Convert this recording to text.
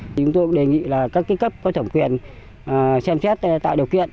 chúng tôi cũng đề nghị là các cái cấp có thẩm quyền xem xét tại điều kiện